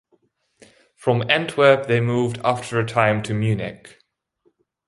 From Antwerp they moved after a time to Munich.